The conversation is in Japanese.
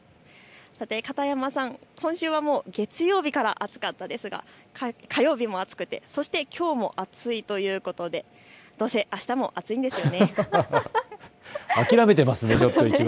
片山さん、今週は月曜日から暑かったですが、火曜日も暑くて、そしてきょうも暑いということでどうせ、あしたも暑いんですよね。